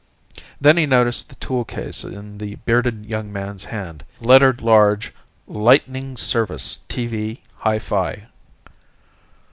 Then he noticed the toolcase in the bearded young man's hand, lettered large LIGHTNING SERVICE, TV, HI FI.